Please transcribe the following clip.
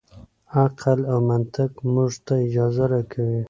عقل او منطق موږ ته اجازه راکوي.